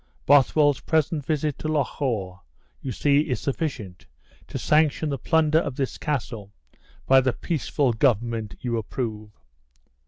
Bothwell's present visit to Loch awe, you see, is sufficient to sanction the plunder of this castle by the peaceful government you approve.